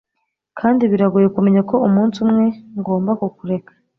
kandi biragoye kumenya ko umunsi umwe ngomba kukureka